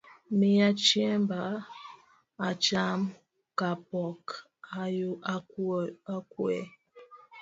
Miya chiemba acham kapok okue.